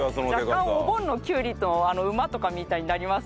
若干お盆のきゅうりと馬とかみたいになりますけどね。